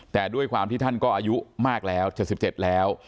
แต่ด้วยความที่ท่านก็อายุมากแล้วเจ็บสิบเจ็ดแล้ว